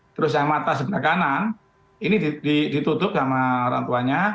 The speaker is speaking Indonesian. terus yang mata sebelah kanan ini ditutup sama orang tuanya